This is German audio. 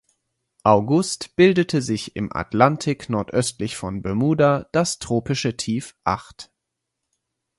August bildete sich im Atlantik nordöstlich von Bermuda das Tropische Tief Acht.